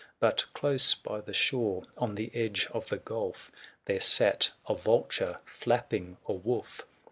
But close by the shore, on the edge of the gulf, There sat a vulture flapping a wolf.